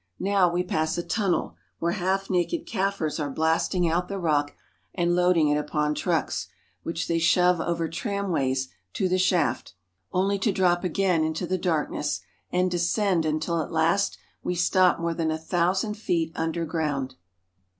Now we pass a tunnel, where half naked Kaffirs are blasting out the rock and load ing it upon trucks, which they shove over tramways to the shaft, only to drop again into the darkness and descend until at last we stop more than a thousand feet underground.